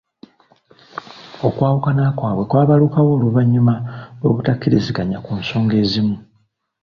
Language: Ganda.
Okwawukana kwabwe kwabalukawo oluvannyuma lw’obutakkiriziganya ku nsonga ezimu.